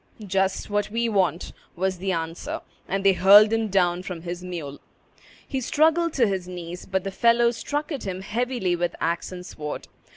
"Just what we want," was the answer; and they hurled him down from his mule. He struggled to his knees; but the fellows struck at him heavily with axe and sword.